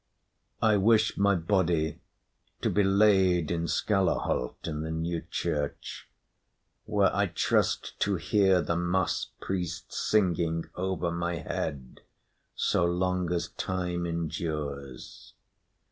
I wish my body to be laid in Skalaholt in the new church, where I trust to hear the mass priests singing over my head so long as time endures.